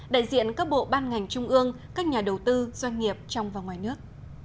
đại diện các bộ ban ngành trung ương các nhà đầu tư doanh nghiệp trong và ngoài nước